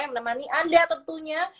yang menemani anda tentunya